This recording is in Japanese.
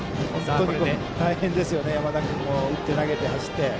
大変ですよね、山田君も。打って投げて走って。